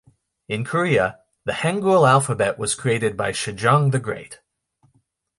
In Korea, the Hangul alphabet was created by Sejong the Great.